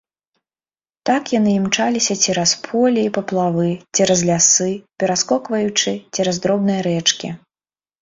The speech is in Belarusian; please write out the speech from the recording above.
Так яны імчаліся цераз поле і паплавы, цераз лясы, пераскокваючы цераз дробныя рэчкі.